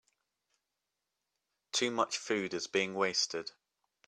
Too much food is being wasted.